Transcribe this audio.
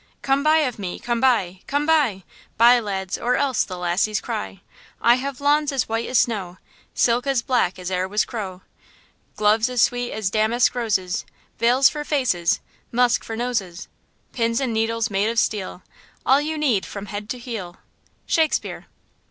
Come buy of me! come buy! come buy! Buy, lads, or else the lassies cry; I have lawns as white as snow; Silk as black as e'er was crow; Gloves as sweet as damask roses; Veils for faces; musk for noses; Pins and needles made of steel; All you need from head to heel. –SHAKESPEARE.